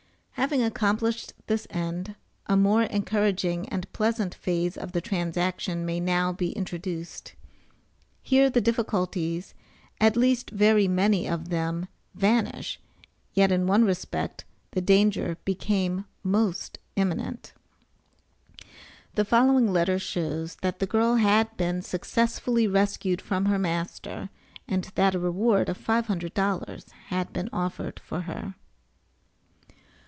Having accomplished this end, a more encouraging and pleasant phase of the transaction may now be introduced. Here the difficulties, at least very many of them, vanish, yet in one respect, the danger became most imminent. The following letter shows that the girl had been successfully rescued from her master, and that a reward of five hundred dollars had been offered for her.